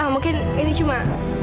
mungkin ini cuma